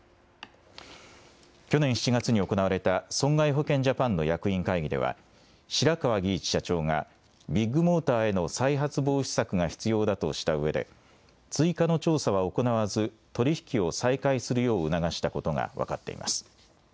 去年７月に行われた損害保険ジャパンの役員会議では白川儀一社長がビッグモーターへの再発防止策が必要だとしたうえで追加の調査は行わず取り引きを再開するよう促したことが分かっています。